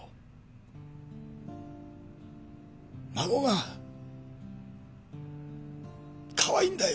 孫がかわいいんだよ